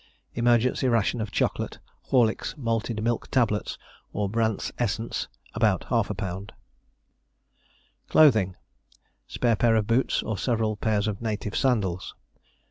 Emergency ration of chocolate, Horlick's malted milk tablets, or Brand's essence, about ½ lb. Clothing Spare pair of boots, or several pairs of native sandals.